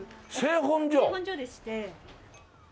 製本所でして。